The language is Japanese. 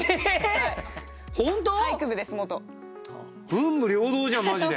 文武両道じゃんマジで。